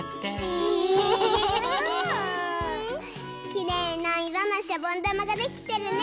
きれいないろのしゃぼんだまができてるね。